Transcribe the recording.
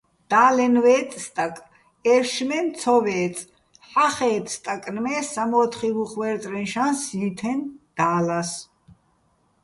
და́ლენ ვე́წე̆ სტაკ, ე́შშმენ ცო ვე́წე̆, ჰ̦ახე́თე̆, სტაკნ მე სამო́თხი ვუხვე́რწრეჼ შანს ჲითეჼ და́ლას.